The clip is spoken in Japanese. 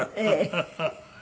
ハハハハ。